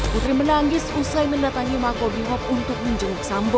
putri menangis usai mendatangi makobrimob untuk menjemput sampo